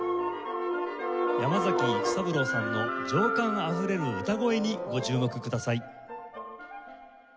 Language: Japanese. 山崎育三郎さんの情感あふれる歌声にご注目ください。